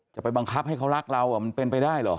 จะไปบังคับให้เขารักเรามันเป็นไปได้เหรอ